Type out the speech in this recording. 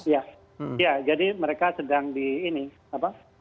ya jadi mereka sedang di ini apa